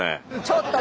ちょっと！